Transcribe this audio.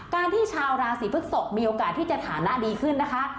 การที่ชาวราศีพฤกษกมีโอกาสที่จะฐานะดีขึ้นนะคะ